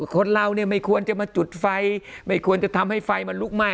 คนเราเนี่ยไม่ควรจะมาจุดไฟไม่ควรจะทำให้ไฟมันลุกไหม้